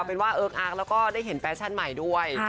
เป็นว่าเอิ๊กอาร์กแล้วก็ได้เห็นแฟชั่นใหม่ด้วย